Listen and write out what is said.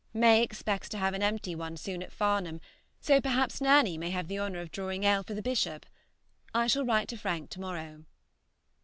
May expects to have an empty one soon at Farnham, so perhaps Nanny may have the honor of drawing ale for the Bishop. I shall write to Frank to morrow.